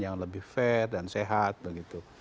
yang lebih fair dan sehat begitu